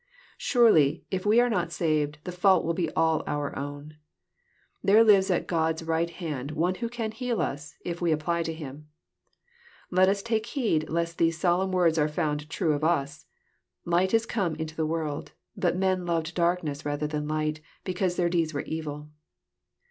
Surely, if we are not saved, the fault will be all our own. There lives at God's right hand One who can heal us if we apply to Him. Let us take heed lest those solenm words are found true of us, —" Light is come into the world : but men loved darkness rather than light, because their deeds were evil."